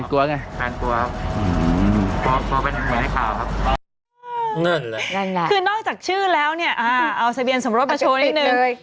คือนอกจากชื่อแล้วเนี่ยเอาทะเบียนสมรสมาโชว์นิดนึง